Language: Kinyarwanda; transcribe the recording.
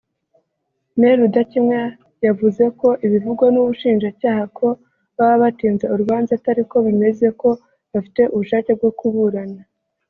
Me Rudakemwa yavuze ko ibivugwa n’Ubushinjacyaha ko baba batinza urubanza atariko bimeze ko bafite ubushake bwo kuburana